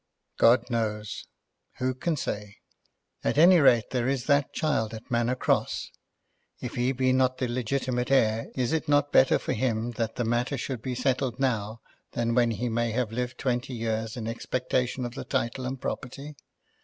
"God knows. Who can say?" "At any rate there is that child at Manor Cross. If he be not the legitimate heir, is it not better for him that the matter should be settled now than when he may have lived twenty years in expectation of the title and property?"